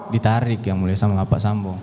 ditarik yang mulia sama pak sambo